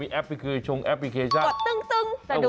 มีคุยชงแอปพลิเคชั่นก่อนตึ้ง